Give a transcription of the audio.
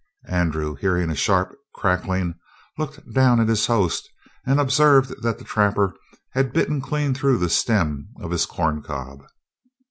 Andrew, hearing a sharp crackling, looked down at his host and observed that the trapper had bitten clean through the stem of his corncob.